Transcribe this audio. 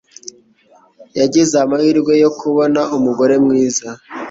Yagize amahirwe yo kubona umugore mwiza.